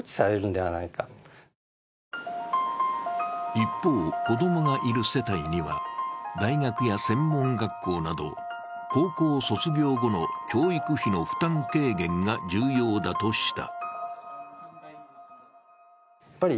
一方、子供がいる世帯には大学や専門学校など高校卒業後の教育費の負担軽減が重要だとした。